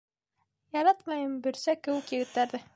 Яратмайым бөрсә кеүек егеттәрҙе.